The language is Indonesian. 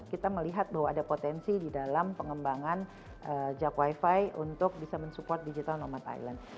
kita melihat bahwa ada potensi di dalam pengembangan jak wifi untuk bisa mensupport digital nomad island